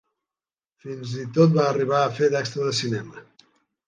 Fins i tot va arribar a fer d'extra de cinema.